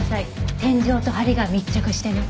天井と梁が密着しています。